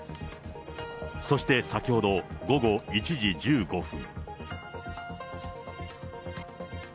そして先ほど午後１時１５分。